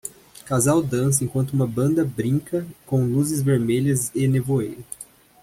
Casal dança enquanto uma banda brinca com luzes vermelhas e nevoeiro.